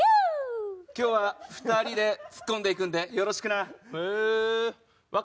今日は２人でツッコんでいくのでよろしくな。